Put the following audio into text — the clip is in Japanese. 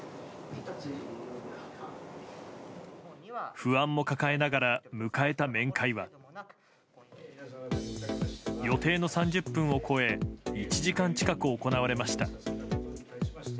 不安を抱えながら迎えた面会は予定の３０分を超え１時間近く行われました。